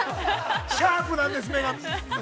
シャープなんで、目が。